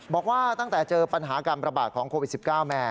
บอกว่าตั้งแต่เจอปัญหาการประบาดของโควิด๑๙มา